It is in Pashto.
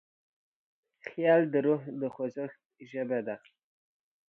خیال د روح د خوځښت ژبه ده.